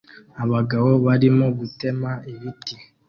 Abagabo barimo gutema ibiti